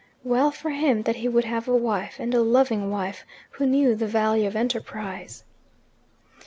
Well for him that he would have a wife, and a loving wife, who knew the value of enterprise.